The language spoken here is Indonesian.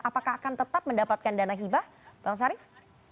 apakah akan tetap mendapatkan dana hibah bang sarif